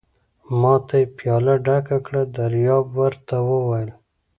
ما ته یې پياله ډکه کړه، دریاب ور ته وویل.